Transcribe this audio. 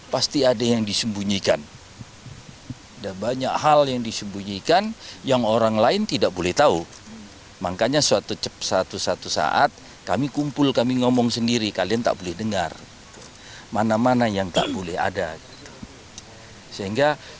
pemerintah yang sudah memberikan izin